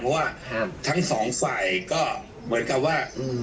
เพราะว่าทั้ง๒สวัยก็เหมือนกันว่า